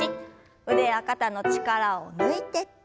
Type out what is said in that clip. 腕や肩の力を抜いて。